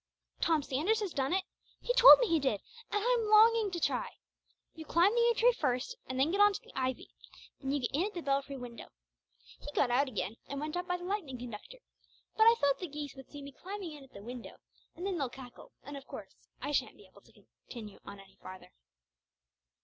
"Tom Sanders has done it. He told me he did, and I'm longing to try. You climb the yew tree first, and then get on to the ivy. Then you get in at the belfry window. He got out again and went up by the lightning conductor, but I thought the geese would see me climbing in at the window and then they'll cackle and of course I shan't be able to come on any further."